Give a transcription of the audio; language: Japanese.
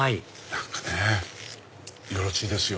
何かねよろしいですよ。